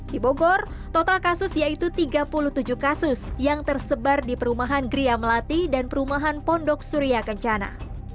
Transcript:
di bogor total kasus yaitu tiga puluh tujuh kasus yang tersebar di perumahan gria melati dan perumahan pondok surya kencana